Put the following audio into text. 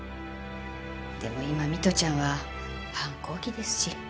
でも今美都ちゃんは反抗期ですし。